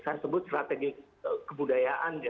saya sebut strategi kebudayaan